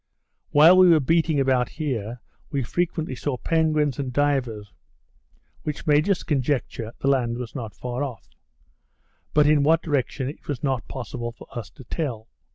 While we were beating about here; we frequently saw penguins and divers, which made us conjecture the land was not far off; but in what direction it was not possible for us to tell.